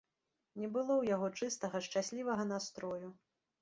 Не было ў яго чыстага шчаслівага настрою.